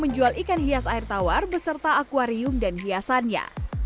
menjual ikan hias air tawar beserta akwarium dan hiasannya